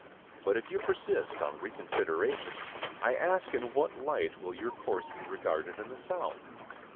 But, if you persist on reconsideration, I ask in what light will your course be regarded in the South?